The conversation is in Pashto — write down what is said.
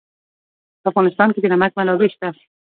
په افغانستان کې د نمک منابع شته.